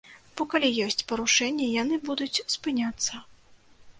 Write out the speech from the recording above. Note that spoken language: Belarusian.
Бо калі ёсць парушэнні, яны будуць спыняцца.